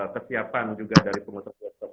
kesiapan juga dari pengusaha geoskop